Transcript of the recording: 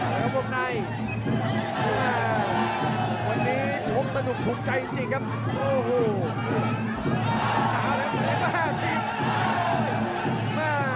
ครับครับพวกนายอ่าวันนี้ชมสนุกถูกใจจริงครับโอ้โห